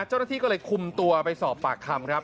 เจ้าหน้าที่ก็เลยคุมตัวไปสอบปากคำครับ